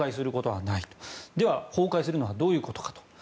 では、崩壊するのはどういうことかと。